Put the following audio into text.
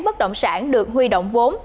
bất động sản được huy động vốn